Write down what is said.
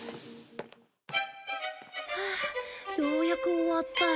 はあようやく終わった。